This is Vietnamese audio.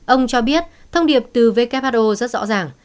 ông cho biết thông điệp từ who rất rõ ràng